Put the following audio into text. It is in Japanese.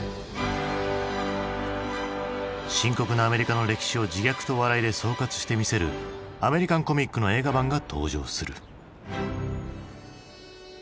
深刻なアメリカの歴史を自虐と笑いで総括してみせるアメリカンコミックの映画版が登場する。